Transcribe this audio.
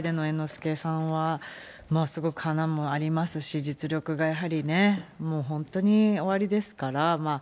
本当に舞台での猿之助さんはすごく華もありますし、実力がやはりね、もう本当におありですから。